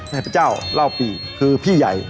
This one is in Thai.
เทพเจ้าเล่าปีคือพี่ใหญ่